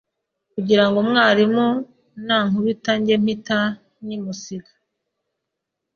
kugirango mwarimu nankubita njye mpita nyimusiga,